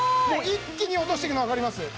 一気に落としてくのわかります？